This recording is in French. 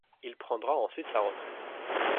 Il prendra ensuite sa retraite.